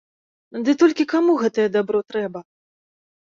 Ды толькі каму гэтае дабро трэба?